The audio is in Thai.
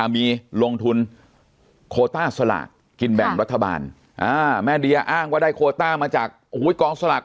มีลงทุนโคต้าสลากกินแบ่งรัฐบาลแม่เดียอ้างว่าได้โคต้ามาจากกองสลาก